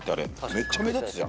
めっちゃ目立つじゃん。